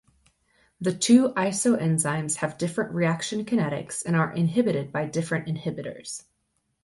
The two isoenzymes have different reaction kinetics and are inhibited by different inhibitors.